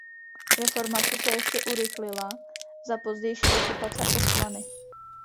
Reformace se ještě urychlila za pozdější okupace Osmany.